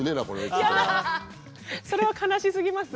それは悲しすぎます